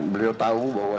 beliau tahu bahwa